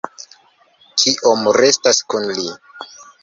Kiom restas kun li?